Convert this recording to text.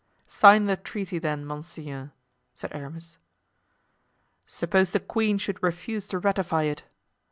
"Sign the treaty, then, monseigneur," said Aramis. "Suppose the queen should refuse to ratify it?"